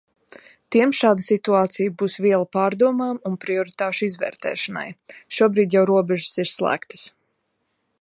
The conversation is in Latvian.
Tiem šāda situācija būs viela pārdomām un prioritāšu izvērtēšanai. Šobrīd jau robežas ir slēgtas!